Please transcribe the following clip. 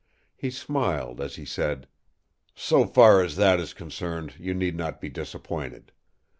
He smiled as he said: "So far as that is concerned, you need not be disappointed.